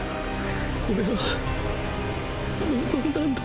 オレは望んだんだ。